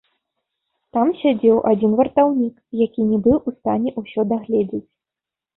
Там сядзеў адзін вартаўнік, які не быў у стане ўсё дагледзець.